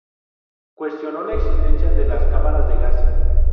Cuestionó la existencia de las cámaras de gas.